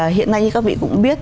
hiện nay như các vị cũng biết